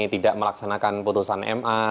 tidak melaksanakan putusan ma